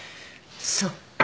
そっか。